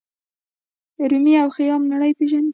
رومي او خیام نړۍ پیژني.